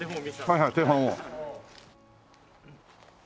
はいはい手本を。